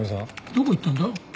どこ行ったんだ？